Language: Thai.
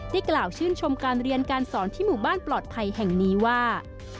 กล่าวชื่นชมการเรียนการสอนที่หมู่บ้านปลอดภัยแห่งนี้ว่า